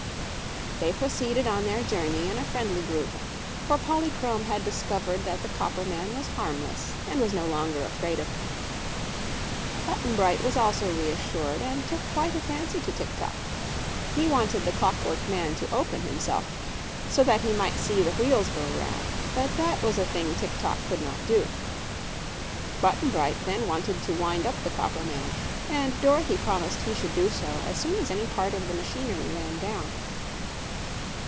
They proceeded on their journey in a friendly group, for Polychrome had discovered that the copper man was harmless and was no longer afraid of him. Button Bright was also reassured, and took quite a fancy to Tik tok. He wanted the clockwork man to open himself, so that he might see the wheels go round; but that was a thing Tik tok could not do. Button Bright then wanted to wind up the copper man, and Dorothy promised he should do so as soon as any part of the machinery ran down.